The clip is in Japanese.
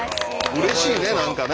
うれしいね何かね。